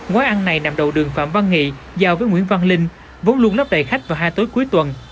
quán ăn này nằm đầu đường phạm văn nghị giao với nguyễn văn linh vốn luôn nắp đầy khách vào hai tối cuối tuần